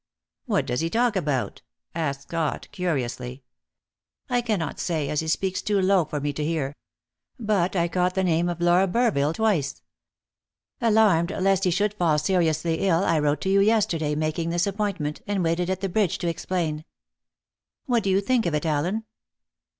"What does he talk about?" asked Scott curiously. "I cannot say, as he speaks too low for me to hear. But I caught the name of Laura Burville twice. Alarmed lest he should fall seriously ill, I wrote to you yesterday, making this appointment, and waited at the bridge to explain. What do you think of it, Allen?"